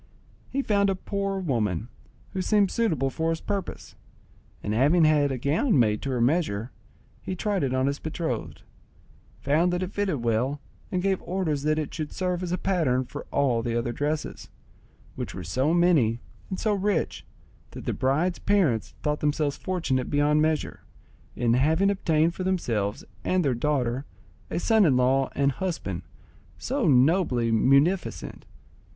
He found a poor woman, who seemed suitable for his purpose, and having had a gown made to her measure, he tried it on his betrothed, found that it fitted well, and gave orders that it should serve as a pattern for all the other dresses, which were so many and so rich that the bride's parents thought themselves fortunate beyond measure, in having obtained for themselves and their daughter a son in law and a husband so nobly munificent.